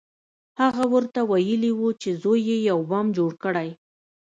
هغه ورته ویلي وو چې زوی یې یو بم جوړ کړی